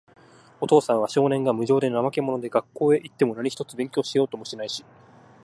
お父さんは、少年が、無精で、怠け者で、学校へいっても何一つ勉強しようともしないし、